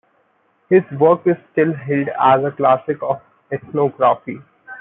His work is still held as a classic of ethnography.